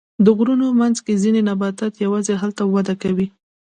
د غرونو منځ کې ځینې نباتات یوازې هلته وده کوي.